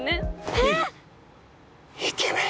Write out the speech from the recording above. えっ！イケメン？